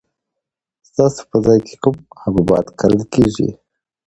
ستاسو په ځای کې کوم حبوبات کرل کیږي؟